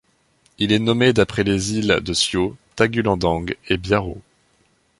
Il est nommé d'après les îles de Siau, Tagulandang et Biaro.